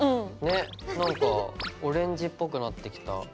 ねなんかオレンジっぽくなってきた。